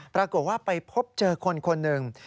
ปรากฏว่าไปพบเจอคนหนึ่ง